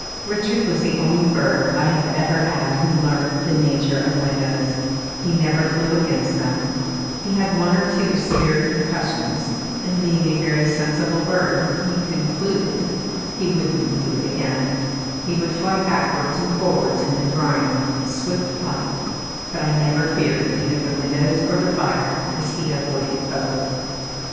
Richard was the only bird I have ever had who learnt the nature of windows, he never flew against them; he had one or two severe concussions, and being a very sensible bird he "concluded" he wouldn't do it again; he would fly backwards and forwards in the drawing room in swift flight, but I never feared either the windows or the fire, as he avoided both.